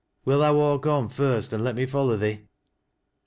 Will tha walk on first an' let me follow Mine?"